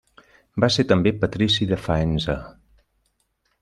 Va ser també patrici de Faenza.